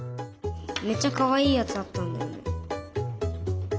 めっちゃかわいいやつあったんだよね。